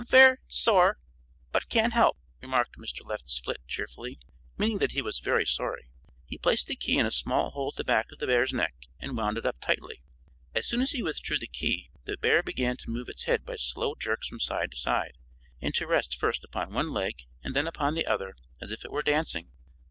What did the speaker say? "Ver sor , but can't help," remarked Mr. Left Split, cheerfully, meaning that he was very sorry. He placed the key in a small hole at the back of the bear's neck and wound it up tightly. As soon as he withdrew the key the bear began to move its head by slow jerks from side to side, and to rest first upon one leg and then upon the other, as if it were dancing.